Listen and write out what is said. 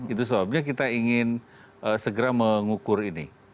itu sebabnya kita ingin segera mengukur ini